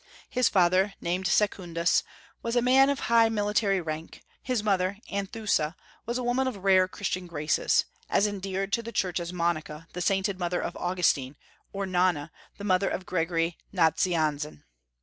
His father, named Secundus, was a man of high military rank; his mother, Anthusa, was a woman of rare Christian graces, as endeared to the Church as Monica, the sainted mother of Augustine; or Nonna, the mother of Gregory Nazianzen.